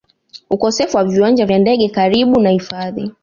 ukosefu wa viwanja vya ndege karibu na hifadhi